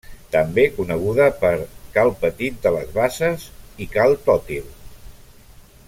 També coneguda per cal Petit de les Basses i cal Tòtil.